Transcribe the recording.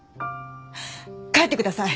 帰ってください！